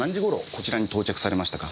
こちらに到着されましたか？